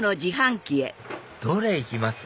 どれ行きます？